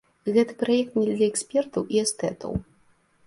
Гэты праект не для экспертаў і эстэтаў.